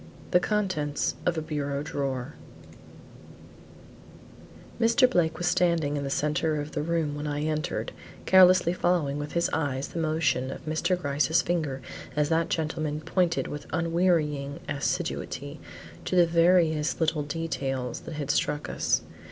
THE CONTENTS OF A BUREAU DRAWER Mr. Blake was standing in the centre of the room when I entered, carelessly following with his eyes the motion of Mr. Gryce's finger as that gentleman pointed with unwearying assiduity to the various little details that had struck us.